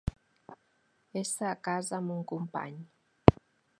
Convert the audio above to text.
Ésser a casa amb un company.